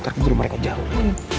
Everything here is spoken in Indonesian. ntar kita jalan mereka jauh lagi